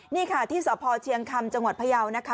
นี่ค่ะที่สพเชียงคำจังหวัดพยาวนะคะ